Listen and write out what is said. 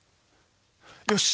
よし！